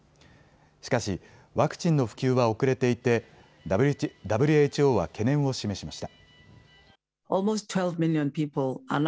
しかしワクチンの普及は遅れていてＷＨＯは懸念を示しました。